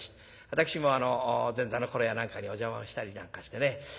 私も前座の頃やなんかにお邪魔をしたりなんかしてね。